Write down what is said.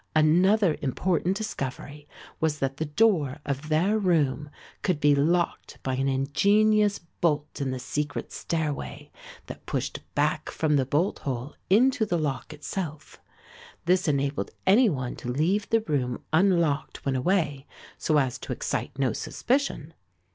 Another important discovery was that the door of their room could be locked by an ingenious bolt in the secret stairway, that pushed back from the bolt hole into the lock itself. This enabled any one to leave the room unlocked when away, so as to excite no suspicion.